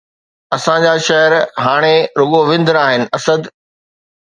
اسان جا شعر هاڻي رڳو وندر آهن، اسد!